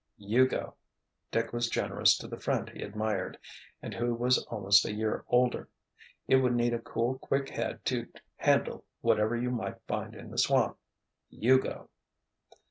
"You go." Dick was generous to the friend he admired, and who was almost a year older. "It would need a cool, quick head to handle whatever you might find in the swamp. You go."